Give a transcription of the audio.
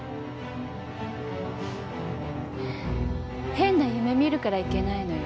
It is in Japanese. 変な夢見るからいけないのよ。